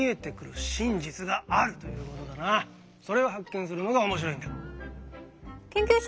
それを発見するのが面白いんだ。